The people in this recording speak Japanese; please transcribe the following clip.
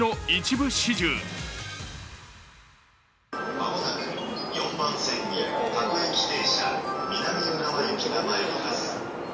間もなく４番線に各駅停車南浦和行きが参ります。